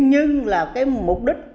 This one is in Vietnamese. nhưng là cái mục đích